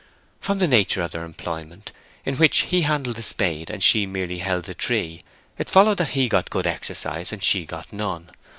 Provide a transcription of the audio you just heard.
From the nature of their employment, in which he handled the spade and she merely held the tree, it followed that he got good exercise and she got none.